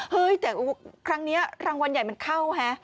เฮ้ยแต่ครั้งนี้รางวัลใหญ่มันเข้าฮะ